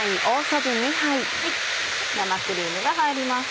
生クリームが入ります。